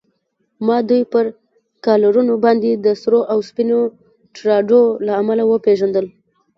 ما دوی پر کالرونو باندې د سرو او سپینو ټراډو له امله و پېژندل.